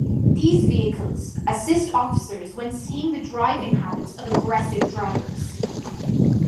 These vehicles assist officers with seeing the driving habits of aggressive drivers.